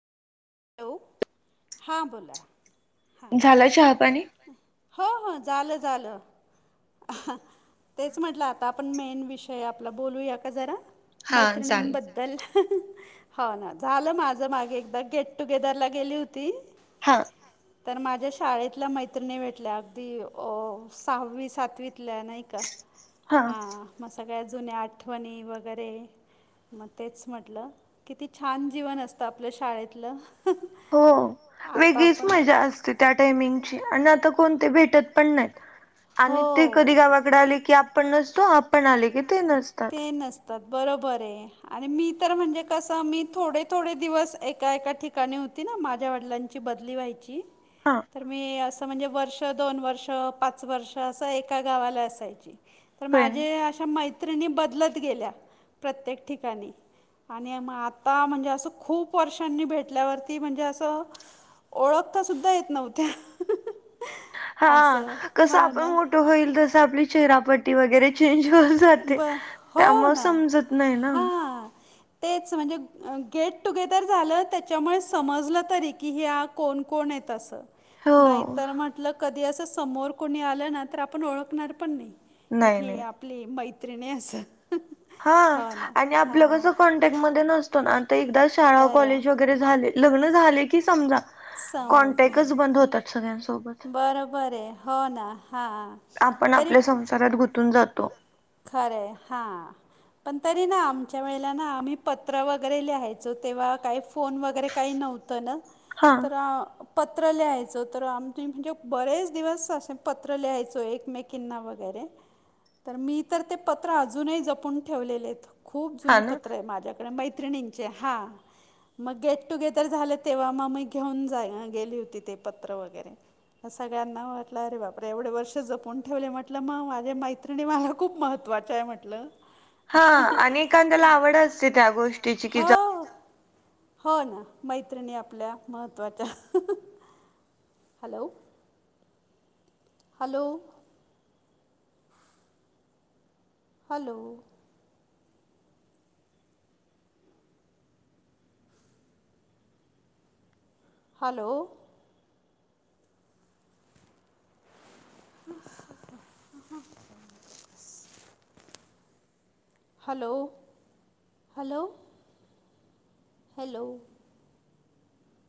Hello हां बोला. हां झालं चहापाणी? हो हो झालं झालं. हा तेच म्हटलं आता आपण मेन विषय आपला बोलूया का जरा हा झालं. मैत्रिणींबद्दल हो ना झालं माझं मागे एकदा गेट टुगेदरला गेली होती. हां, तर माझ्या शाळेतल्या मैत्रिणी भेटल्या. अगदी अ सहावी सातवीतल्या नाही का हा हां. मग सगळ्या जुन्या आठवणी वगैरे. मग तेच म्हटलं किती छान जीवन असतं आपल्या शाळेतलं. हो आता वेगळीच आपण मजा असते त्या टाइमिंगची आणि आता कोण ते भेटत पण नाहीत. आणि ते कधी हो गावाकडे आले की आपण नसतो. आपण आले की ते नसतात. ते नसतात बरोबर आहे. आणि मी तर म्हणजे कस मी थोडे थोडे दिवस एका एका ठिक काणी होती ना. माझ्या वडिलांची बदली व्हायची. हां तर मी असं म्हणजे वर्ष, दोन वर्ष, पाच वर्ष असं एका गावाला असायची. तर होय ना. माझ्या अशा मैत्रिणी बदलत गेल्या प्रत्येक ठिकाणी आणि मग आता म्हणजे असं खूप वर्षांनी भेट ल्यावरती म्हणजे अस ओळखता सुद्धा येत नव्हत्या. हा असं कसं हो आपण ना मोठं होईल तस आपली चेहरापट्टी वगैरे चेंज हो जाते ब हो त्यामुळे ना समजत नाही ना. हां तेच म्हणजे गेट टुगेदर झालं त्याच्यामुळे समजलं तरी की ह्या कोण कोण आहेत असं? हो नाहीतर म्हटलं कधी असं समोर कोणी आलं ना, तर आपण ओळखणार पण नाही. कि नाही हे नाही. आपली मैत्रिणी आहे अस. हा आणि आपलं कसं कॉन्टॅक्टमध्ये नसतो ना. ते एकदा शाळा खरं कॉलेज वगै झाले. लग्न झाले की समजा समजलं कॉन्टॅक्टच बंद होतात सगळ्यांसोबत बरोबर ये. हो ना हां. आपण तरी आपल्या संसारात गुंतून जातो. खरंय हा. पण तरी ना आमच्या वेळेला ना. आम्ही पत्र वगैरे लिहायचो. तेव्हा काही फोन वगैरे काही नव्हतं ना. हा तर, पत्र लिहायचो तर आम्ही म्हणजे बरेच दिवस असे पत्र लिहायचो एकमेकिना वगैरे. तर मी तर ते पत्र अजूनही जपून ठेवलेले आहेत खूप हा जुनी ना पत्र आहे माझ्याक ढ. मैत्रिणींचे हा. मग गेट टुगेदर झालं. तेव्हा मग मी घेऊन जा गेली होती ते पत्र वगैरे सगळ्यांना वाटलं अरे बापरे एवढे वर्ष जपून ठेवले. म्हटलं मग माझे मैत्रिणी मला खूप महत्वाच आहे म्हटलं. हा एखाद्याला आवड असते त्या गोष्टीची की जप ''--'' हो हो ना मैत्रिणी आपल्या महत्त्वाच्या. Hello. Hello. Hello. Hello. [inaudible] Hello. Hello.